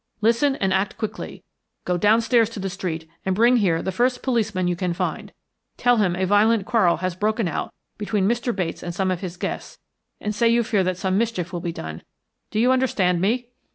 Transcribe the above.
"Listen and act quickly. Go downstairs into the street and bring here the first policeman you can find. Tell him a violent quarrel has broken out between Mr. Bates and some of his guests, and say you fear that some mischief will be done. Do you understand me?"